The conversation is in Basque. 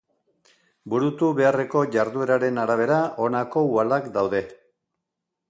Burutu beharreko jardueraren arabera honako uhalak daude.